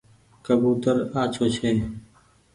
ڪبوتر آڇو ڇي۔